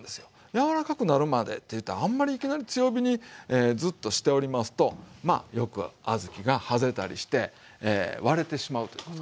柔らかくなるまでっていったらあんまりいきなり強火にずっとしておりますとよく小豆がはぜたりして割れてしまうということがある。